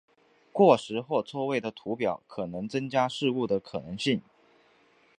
过时或错位的图表可能增加事故的可能性。